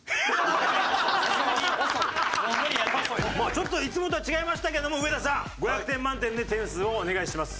ちょっといつもとは違いましたけども上田さん５００点満点で点数をお願いします。